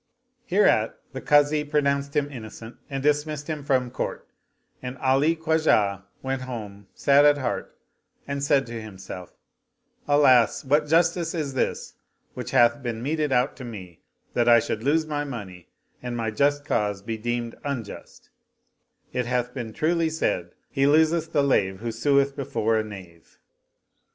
Hereat the Kazi pronounced him in nocent and dismissed him from court; and Ali Khwajah went home sad at heart and said to himself, ''Alas, what justice is this which hath been meted out to me, that I should lose my money, and my just cause be deemed unjust I It hath been truly said : He loseth the lave who sueth before a knave."